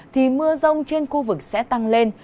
thì mưa rông trên khu vực sẽ tăng lên